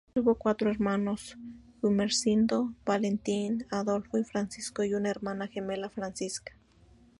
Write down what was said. Tuvo cuatro hermanos: Gumersindo, Valentín, Adolfo y Francisco, y una hermana gemela, Francisca.